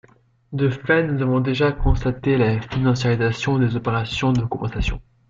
De fait, nous avons déjà constaté la financiarisation des opérations de compensation.